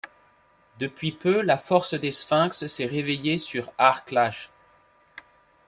Depuis peu, la force des Sphinx s'est réveillée sur Aarklash.